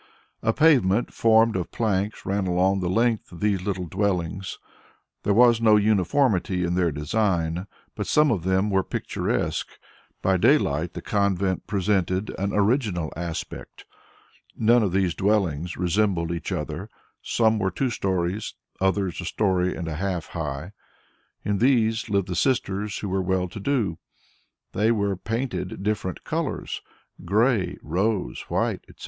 A pavement formed of planks ran along the length of these little dwellings; there was no uniformity in their design, but some of them were picturesque; by daylight the convent presented an original aspect. None of these dwellings resembled each other; some were two stories, others a story and a half high. In these lived the sisters who were well to do. They were painted different colours grey, rose, white, etc.